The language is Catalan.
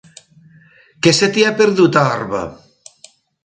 Què se t'hi ha perdut, a Orba?